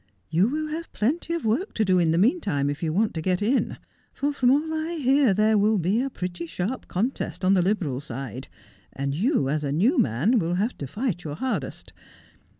You will have plenty of work to do in the meantime if you want to get in ; for from all I hear there will be a pietty sharp contest on the Liberal side, and you, as a new man, will have to fight your hardest.